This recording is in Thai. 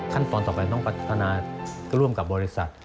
ขั้นตอนต่อไปต้องพัฒนาร่วมกับบริษัท